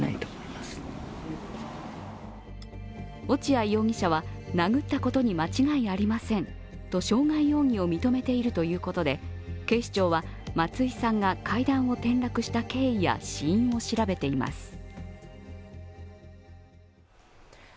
落合容疑者は、殴ったことに間違いありませんと傷害容疑を認めているということで、警視庁は松井さんが階段を転落した経緯や死因を調べています。